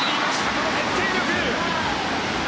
この決定力！